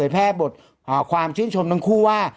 พี่ปั๊ดเดี๋ยวมาที่ร้องให้